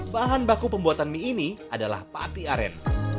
bahan baku pembuatan mie ini adalah pati aren